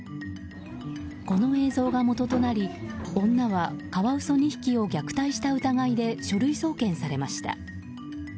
この映像がもととなり女はカワウソ２匹を虐待した疑いで書類送検されました。